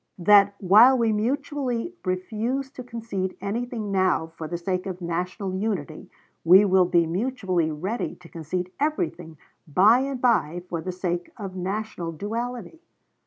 That, while we mutually refuse to concede anything now for the sake of national unity, we will be mutually ready to concede everything by and by for the sake of national duality?